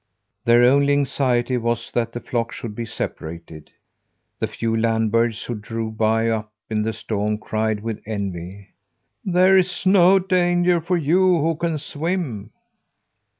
Their only anxiety was that the flock should be separated. The few land birds who drove by, up in the storm, cried with envy: "There is no danger for you who can swim."